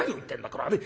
これはね